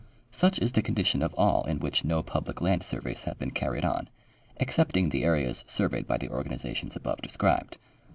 Such is the condition of all in which no public land surveys have been carried on, excepting the areas surveyed by the organ izations above described.